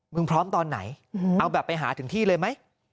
พร้อมตอนไหนเอาแบบไปหาถึงที่เลยไหม